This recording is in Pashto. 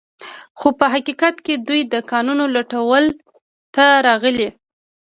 خو په حقیقت کې دوی د کانونو لوټولو ته راغلي